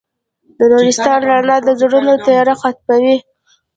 د نورستان رڼا د زړونو تیاره ختموي.